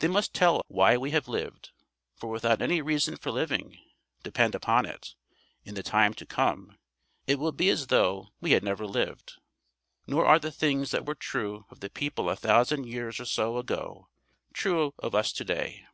They must tell why we have lived, for without any reason for living, depend upon it, in the time to come, it will be as though we had never lived. Nor are the things that were true of the people a thousand years or so ago true of us to day.